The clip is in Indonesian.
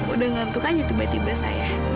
udah ngantuk aja tiba tiba saya